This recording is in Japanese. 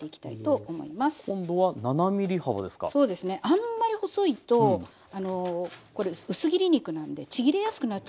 あんまり細いとこれ薄切り肉なんでちぎりやすくなっちゃうんですね